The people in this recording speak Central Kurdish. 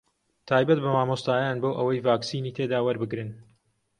تایبەت بە مامۆستایان بۆ ئەوەی ڤاکسینی تێدا وەربگرن